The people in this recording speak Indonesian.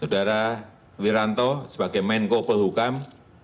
saudara wiranto sebagai menko polhukam